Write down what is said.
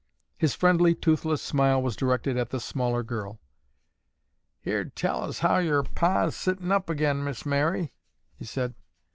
His friendly, toothless smile was directed at the smaller girl. "Heerd tell as how yer pa's sittin' up agin, Miss Mary," he said.